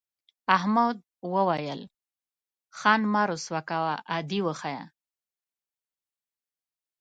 احمد وویل خان مه رسوا کوه عادي وښیه.